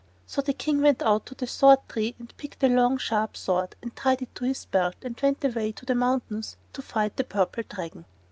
So the King went out to the sword tree and picked a long, sharp sword, and tied it to his belt and went away to the mountains to fight the Purple Dragon.